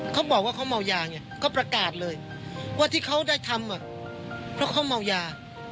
เขาบอกว่าเขาเมายาไงก็ประกาศเลยว่าที่เขาได้ทำเพราะเขาเมายา